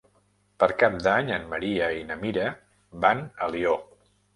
Per Cap d'Any en Maria i na Mira van a Alió.